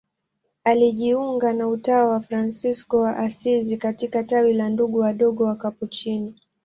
Alijiunga na utawa wa Fransisko wa Asizi katika tawi la Ndugu Wadogo Wakapuchini.